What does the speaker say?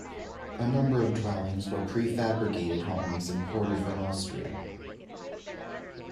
A number of dwellings were prefabricated homes imported from Austria.